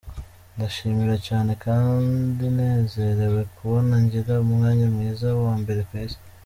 "Ndashima cane kandi ndanezerewe kubona ngira umwanya mwiza wa mbere kw'isi.